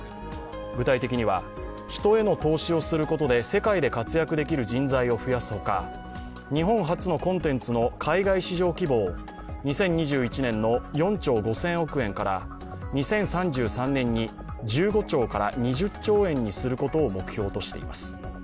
具体的には、人への投資をすることで世界で活躍できる人材を増やすほか、日本発のコンテンツの海外市場規模を２０２１年の４兆５０００億円から２０３３年に１５兆から２０兆円にすることを目標としています。